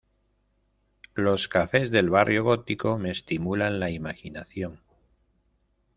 Los cafés del Barrio Gótico me estimulan la imaginación.